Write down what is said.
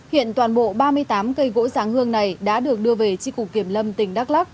hiện toàn bộ ba mươi tám cây gỗ giáng hương này đã được đưa về tri cục kiểm lâm tỉnh đắk lắc